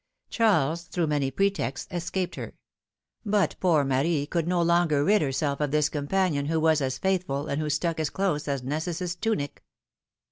Charles, through many pretexts, escaped her; but poor Marie could no longer rid herself of this companion, who was as faithful, and who stuck as close as iSTesstis' tunic.